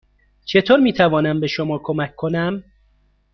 چطور می توانم به شما کمک کنم؟